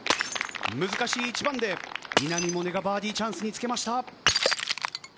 難しい一番で稲見萌寧がバーディーチャンスにつけました。